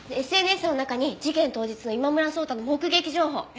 ＳＮＳの中に事件当日の今村草太の目撃情報。